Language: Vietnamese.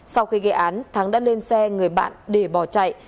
sau khi gây án thắng đã lên xe người bạn để bỏ chạy